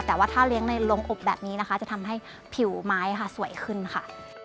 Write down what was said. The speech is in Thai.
แต่ว่าถ้าเลี้ยงในโรงอบแบบนี้นะคะจะทำให้ผิวไม้ค่ะสวยขึ้นค่ะ